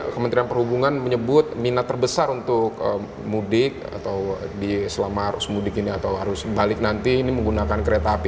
karena perhubungan menyebut minat terbesar untuk mudik atau selama arus mudik ini atau arus balik nanti ini menggunakan kereta api